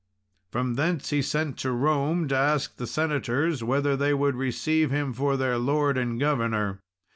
From thence he sent to Rome, to ask the senators whether they would receive him for their lord and governor.